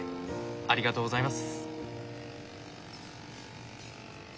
ありがとうございます。